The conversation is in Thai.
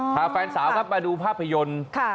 แฟนสาวครับมาดูภาพยนตร์